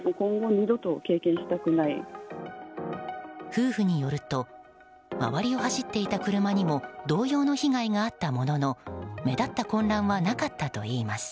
夫婦によると周りを走っていた車にも同様の被害があったものの目立った混乱はなかったといいます。